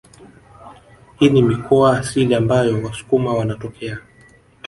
Hii ni mikoa asili ambayo wasukuma wanatokea